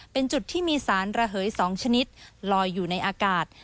เป็นจุดที่มีสารระเหย๒ชนิดลอยอยู่ในอากาศ